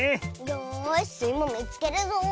よしスイもみつけるぞ。